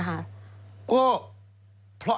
เอ๊ทำถูกกฎหมายแล้วมีการกวาดล้างที่สุดในประวัติศาสตร์ของเยอรมัน